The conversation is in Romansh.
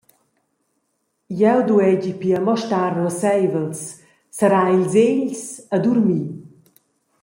Jeu dueigi pia mo star ruasseivels, serrar ils egls e durmir.